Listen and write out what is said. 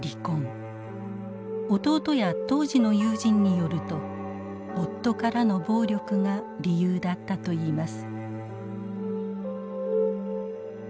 弟や当時の友人によると夫からの暴力が理由だったといいます。